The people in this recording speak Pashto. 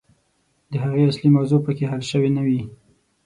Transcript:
د هغې اصلي موضوع پکښې حل سوې نه وي.